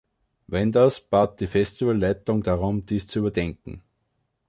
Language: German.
Wenders bat die Festivalleitung darum, dies zu überdenken.